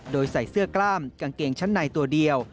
โดยใส่เสื้อกล้ามกางเกงชั้นในตัวเดียว